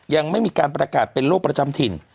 ยังไม่มีการประกาศเป็นโรคประจำถิ่น